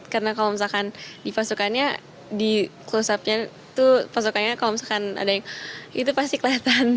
karena kalau misalkan di pasukannya di close up nya itu pasukannya kalau misalkan ada yang itu pasti kelihatan